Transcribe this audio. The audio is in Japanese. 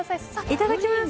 いただきます。